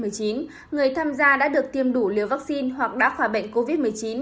ở cấp độ hai người tham gia đã được tiêm đủ liều vaccine hoặc đáp khóa bệnh covid một mươi chín